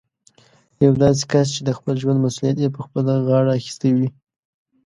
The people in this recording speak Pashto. يو داسې کس چې د خپل ژوند مسوليت يې په خپله غاړه اخيستی وي.